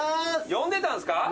呼んでたんすか？